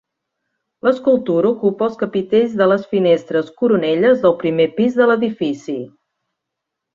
L'escultura ocupa els capitells de les finestres coronelles del primer pis de l'edifici.